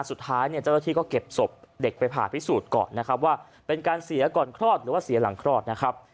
สุดท้ายเนี่ยเจ้าหน้าที่ก็เก็บศพเด็กไปผ่าพิสูจน์ก่อนนะครับว่าเป็นการเสียก่อนคลอดหรือว่าเสียหลังคลอดนะครับ